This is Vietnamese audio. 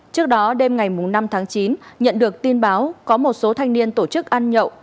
trước đó đêm ngày năm tháng chín nhận được tin báo có một số thanh niên tổ chức ăn nhậu